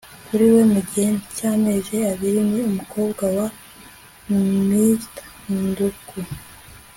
kuri we mu gihe cy'amezi abiri. ni umukobwa wa mr ndukui